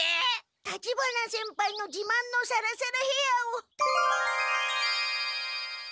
立花先輩のじまんのサラサラヘアーを。